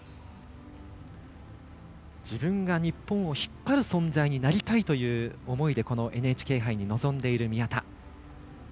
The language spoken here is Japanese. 自分が日本を引っ張る存在になりたいという思いでこのＮＨＫ杯に臨んでいる宮田。